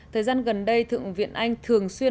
thời gian gần đây thượng viện anh thường xuyên